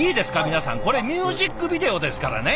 皆さんこれミュージックビデオですからね。